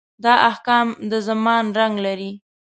دا احکام د زمان رنګ لري.